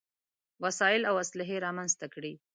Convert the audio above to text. وسايل او اسلحې رامنځته کړې.